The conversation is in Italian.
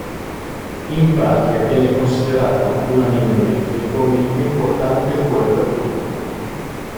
In patria viene considerato unanimemente come il più importante poeta turco.